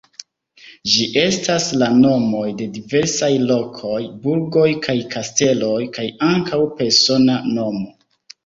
Ĝi estas la nomoj de diversaj lokoj, burgoj kaj kasteloj kaj ankaŭ persona nomo.